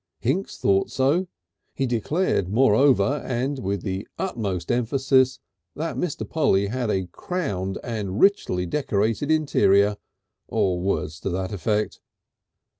Hinks thought so. He declared, moreover, and with the utmost emphasis, that Mr. Polly had a crowded and richly decorated interior or words to that effect.